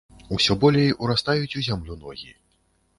Усё болей урастаюць у зямлю ногі.